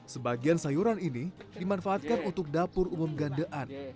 sebagian sayuran ini dimanfaatkan untuk dapur umum gandean